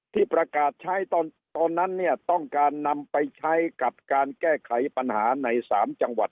ที่ประกาศใช้ตอนนั้นเนี่ยต้องการนำไปใช้กับการแก้ไขปัญหาใน๓จังหวัด